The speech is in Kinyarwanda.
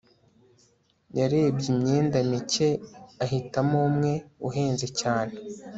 yarebye imyenda mike ahitamo umwe uhenze cyane